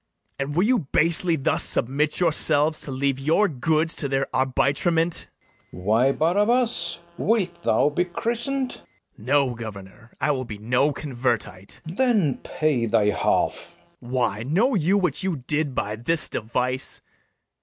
And will you basely thus submit yourselves To leave your goods to their arbitrement? FERNEZE. Why, Barabas, wilt thou be christened? BARABAS. No, governor, I will be no convertite. FERNEZE. Then pay thy half. BARABAS. Why, know you what you did by this device?